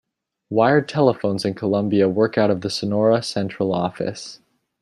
Wired telephones in Columbia work out of the Sonora central office.